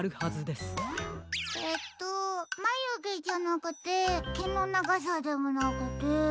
えっとまゆげじゃなくてけのながさでもなくて。